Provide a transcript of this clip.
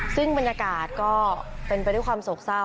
ซึ่งบรรยากาศก็เป็นไปด้วยความโศกเศร้า